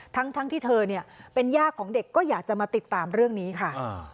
ทั้งที่เธอเนี่ยเป็นย่าของเด็กก็อยากจะมาติดตามเรื่องนี้ค่ะ